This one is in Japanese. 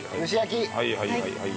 はいはいはい。